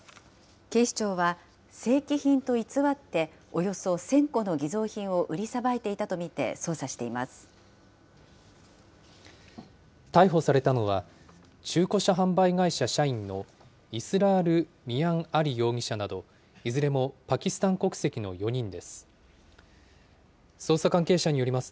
警視庁は、正規品と偽っておよそ１０００個の偽造品を売りさばいていたと見逮捕されたのは、中古車販売会社社員のイスラール・ミアン・アリ容疑者など、いずれもパキスタン国籍の４人です。